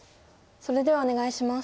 それではお願いします。